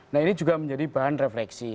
nah ini juga menjadi bahan refleksi